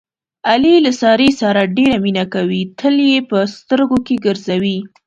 علي له سارې سره ډېره مینه کوي، تل یې په سترګو کې ګرځوي.